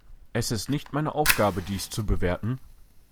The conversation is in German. Es ist nicht meine Aufgabe, dies zu bewerten.